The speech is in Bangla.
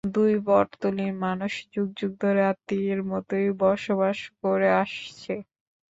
দুই বটতলির মানুষ যুগ যুগ ধরে আত্মীয়ের মতোই বসবাস করে আসছে।